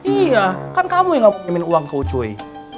iya kan kamu yang gak pinjemin uang kau cuy